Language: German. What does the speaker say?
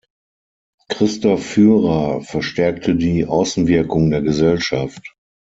Christoph Fürer verstärkte die Außenwirkung der Gesellschaft.